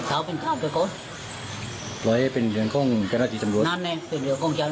จริงเฮีย